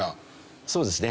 そうですね。